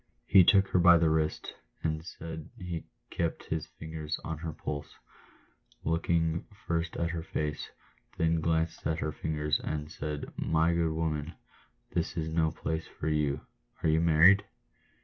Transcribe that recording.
He took her by the wrist, and as he kept his fingers on her pulse, looked first at her face, then glanced at her figure, and said, " My good woman, this is no place for you — are you married?"